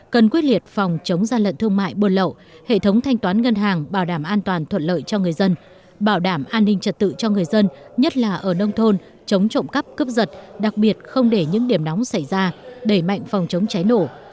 cần quyết liệt phòng chống gian lận thương mại buôn lậu hệ thống thanh toán ngân hàng bảo đảm an toàn thuận lợi cho người dân bảo đảm an ninh trật tự cho người dân nhất là ở nông thôn chống trộm cắp cướp giật đặc biệt không để những điểm nóng xảy ra đẩy mạnh phòng chống cháy nổ